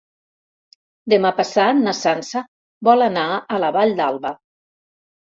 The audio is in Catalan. Demà passat na Sança vol anar a la Vall d'Alba.